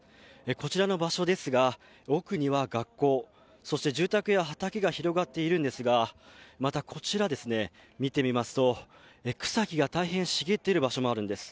こちらの場所ですが、奥には学校、そして住宅や畑が広がっているんですがまたこちら、見てみますと、草木が大変茂っている場所もあるんです。